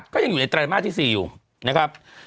ก็ยังอยู่ในไตรมาสที่๔อยู่นะครับ